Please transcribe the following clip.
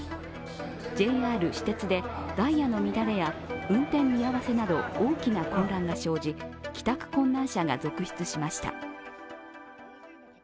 ＪＲ、私鉄でダイヤの乱れや運転見合わせなど大きな混乱が生じ、帰宅困難者が続出しました。